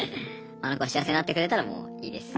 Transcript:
あの子が幸せになってくれたらもういいです。